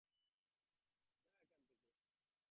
চাচা বাসা থেকে বেরিয়ে এলে তাদের সঙ্গে যাওয়ার জন্য নির্দেশ দেয়।